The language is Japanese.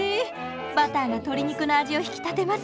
バターが鶏肉の味を引き立てます。